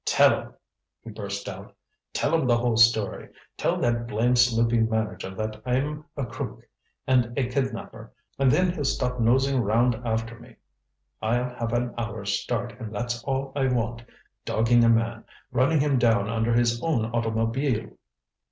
"Tell 'em!" he burst out. "Tell 'em the whole story. Tell that blamed snoopin' manager that I'm a crook and a kidnapper, and then he'll stop nosing round after me. I'll have an hour's start, and that's all I want. Dogging a man running him down under his own automobile!"